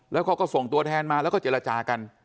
แล้วเขาก็ส่งตัวแทนมาแล้วก็เจรจากัน